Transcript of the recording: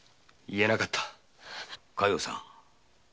加代さん。